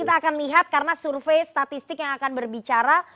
kita akan lihat karena survei statistik yang akan berbicara